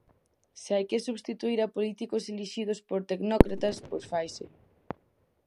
Se hai que substituír a políticos elixidos por tecnócratas, pois faise.